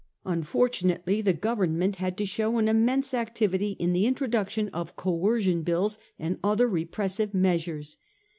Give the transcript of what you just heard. Unfortunately the Government had to show an immense activity in the introduction of Coercion Bills and other repressive measures.